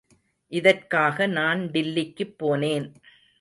இதற்காக நான் டில்லிக்குப் போனேன்.